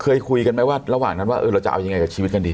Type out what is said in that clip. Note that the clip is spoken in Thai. เคยคุยกันไหมว่าระหว่างนั้นว่าเราจะเอายังไงกับชีวิตกันดี